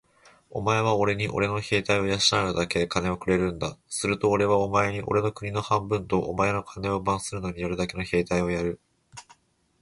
お前はおれにおれの兵隊を養うだけ金をくれるんだ。するとおれはお前におれの国を半分と、お前の金を番するのにたるだけの兵隊をやる。